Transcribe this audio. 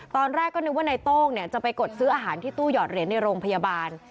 ตอนแรกก็นึกว่านายโต้งจะไปกดซื้ออาหารที่ตู้หอดเหรียญในโรงพยาบาล